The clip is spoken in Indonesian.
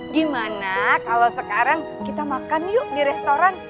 gimana kalau sekarang kita makan yuk di restoran